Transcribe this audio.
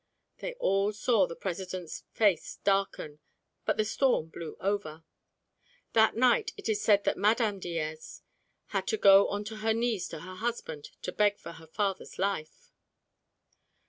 They all saw the President's face darken, but the storm blew over. That night it is said that Madame Diaz had to go on to her knees to her husband to beg for her father's life.